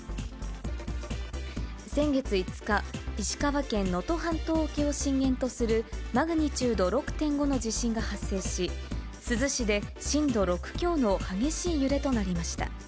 先月５日、石川県能登半島沖を震源とするマグニチュード６．５の地震が発生し、珠洲市で震度６強の激しい揺れとなりました。